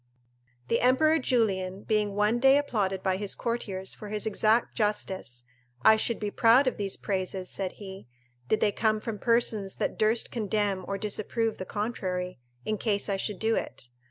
The Emperor Julian being one day applauded by his courtiers for his exact justice: "I should be proud of these praises," said he, "did they come from persons that durst condemn or disapprove the contrary, in case I should do it."